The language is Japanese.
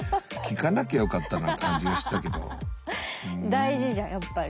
大事じゃんやっぱり。